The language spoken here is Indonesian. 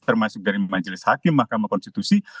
termasuk dari majelis hakim mahkamah konstitusi